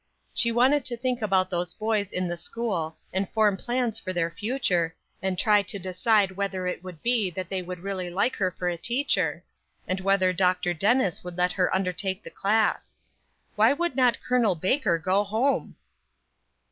She wanted to think about those boys in the school, and form plans for their future, and try to decide whether it could be that they would really like her for a teacher, and whether Dr. Dennis would let her undertake the class. Why would not Col. Baker go home?